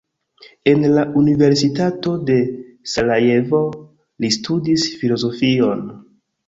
En la Universitato de Sarajevo li studis filozofion.